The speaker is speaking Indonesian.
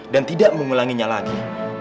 dan tidak mengulanginya lagi